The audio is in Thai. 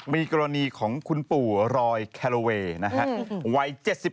มีกรณีของคุณปู่รอยแคโลเวย์นะฮะ